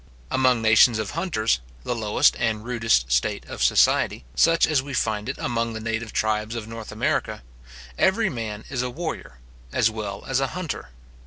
Among nations of hunters, the lowest and rudest state of society, such as we find it among the native tribes of North America, every man is a warrior, as well as a hunter.